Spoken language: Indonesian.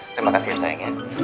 terima kasih sayang ya